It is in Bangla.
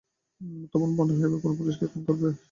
তোমার মনে হয় ও এবার কোন পুলিশকে খুন করবে?